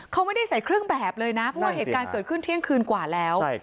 เขาไม่ได้ใส่เครื่องแบบเลยนะเพราะว่าเหตุการณ์เกิดขึ้นเที่ยงคืนกว่าแล้ว